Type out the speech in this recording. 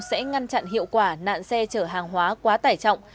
sẽ ngăn chặn hiệu quả nạn xe chở hàng hóa quá tải trọng